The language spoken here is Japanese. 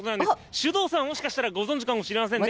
首藤さんはもしかしたらご存じかもしれませんね。